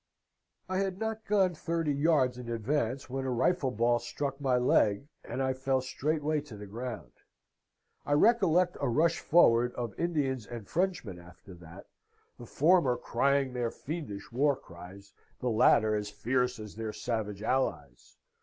"I had not gone thirty yards in advance when a rifle ball struck my leg, and I fell straightway to the ground. I recollect a rush forward of Indians and Frenchmen after that, the former crying their fiendish war cries, the latter as fierce as their savage allies.